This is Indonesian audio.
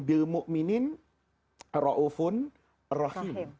bilmu'minin ra'ufun rahim